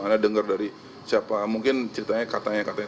anda dengar dari siapa mungkin ceritanya katanya katanya